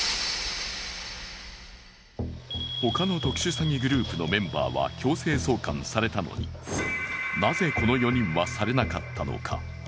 他の特殊詐欺グループのメンバーは強制送還されたのになぜこの４人はされなかったのか。